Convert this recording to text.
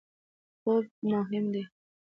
خوب مهم دی